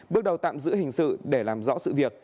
bước đầu tạm giữ hình sự để làm rõ sự việc